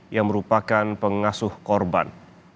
yang merupakan pengasuh korban